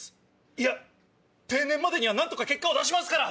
いや定年までには何とか結果を出しますから！